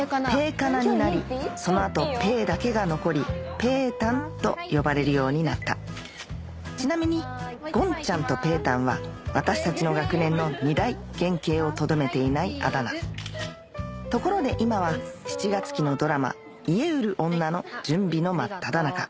加奈「その後「ぺー」だけが残り「ぺーたん」と呼ばれるようになったちなみに「ごんちゃん」と「ぺーたん」は私たちの学年の２大原形をとどめていないあだ名ところで今は７月期のドラマ『家売るオンナ』の準備の真っただ中